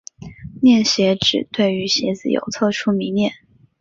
恋鞋指对于鞋子有特殊迷恋。